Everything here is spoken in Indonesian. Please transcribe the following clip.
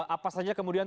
apa saja kemudian